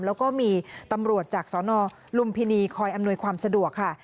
แล้วก็มีตำรวจจากสนลุมพินีคอยอำนวยความสะดวกค่ะ